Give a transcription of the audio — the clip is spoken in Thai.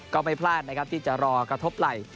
ก็ไม่พลาดนะครับที่จะรอกระทบไหล่